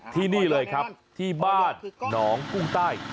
ที่นี่เลยครับที่บ้านหนองกุ้งใต้